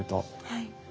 はい。